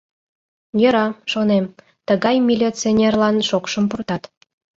Йӧра, шонем, тыгай милиционерлан шокшым пуртат.